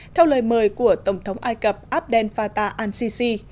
theo lời mời của tổng thống ai cập abdel fatah al sisi